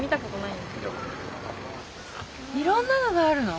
いろんなのがあるの？